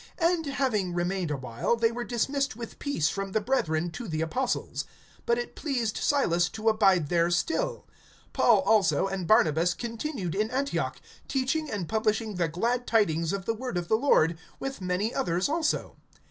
(33)And having remained a while, they were dismissed with peace from the brethren to the apostles. (34)But it pleased Silas to abide there still[15:34]. (35)Paul also and Barnabas continued in Antioch, teaching and publishing the glad tidings of the word of the Lord, with many others also.